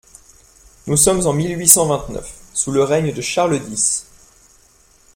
Nous sommes en mille huit cent vingt-neuf, sous le règne de Charles dix.